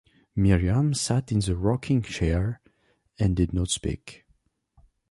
Miriam sat in the rocking-chair, and did not speak.